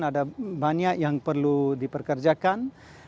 ada banyak yang perlu diperkerjakan